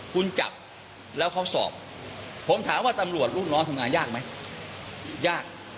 คุณจับแล้วเขาสอบผมถามว่าตำรวจลูกน้องทำงานยากไหมยาก